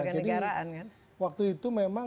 jadi waktu itu memang